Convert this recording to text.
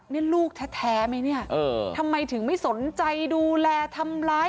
นี่ลูกแท้ไหมเนี่ยทำไมถึงไม่สนใจดูแลทำร้าย